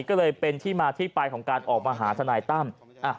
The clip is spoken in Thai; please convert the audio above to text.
ก็เลยเป็นที่มาที่ไปของการออกมาหาทนายตั้ม